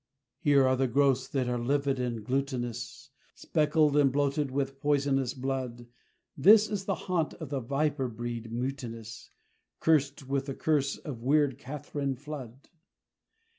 Here are the growths that are livid and glutinous, Speckled, and bloated with poisonous blood: This is the haunt of the viper breed mutinous: Cursed with the curse of weird Catherine Flood.